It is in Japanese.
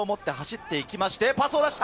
パスを出した！